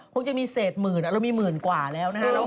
คงจะมีเศษหมื่นเรามีหมื่นกว่าแล้วนะฮะ